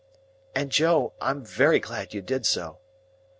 "And Joe, I am very glad you did so."